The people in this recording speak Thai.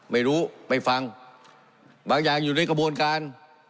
ไม่รู้ไม่ฟังบางอย่างอยู่ในกระบวนการ